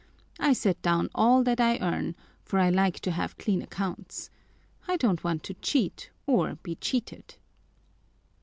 I set down all that I earn, for I like to have clean accounts. I don't want to cheat or be cheated."